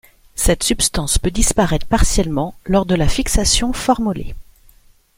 Cette substance peut disparaître partiellement lors de la fixation formolée.